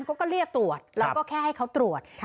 เขาก็เรียกตรวจแล้วก็แค่ให้เขาตรวจ